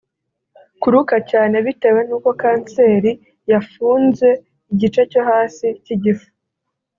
Kuruka cyane (bitewe n’uko kanseri yafunze igice cyo hasi cy’igifu)